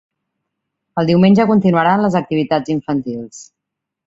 El diumenge continuaran les activitats infantils.